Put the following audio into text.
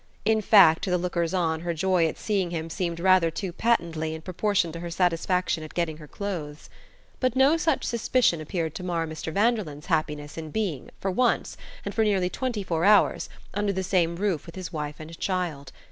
In fact, to the lookers on her joy at seeing him seemed rather too patently in proportion to her satisfaction at getting her clothes. But no such suspicion appeared to mar Mr. Vanderlyn's happiness in being, for once, and for nearly twenty four hours, under the same roof with his wife and child.